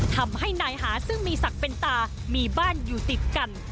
ทำให้นายหาซึ่งมีศักดิ์เป็นตามีบ้านอยู่ติดกัน